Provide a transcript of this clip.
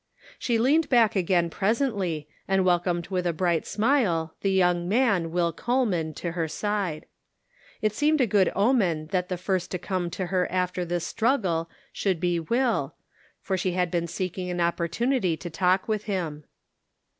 She leaned back again presently, and welcomed with a bright smile, the young man Will Coleman to her side. It seemed 120 The Pocket Measure, a good omen that the first to come to her after this struggle should be Will, for she had been seeking an opportunity to talk with him.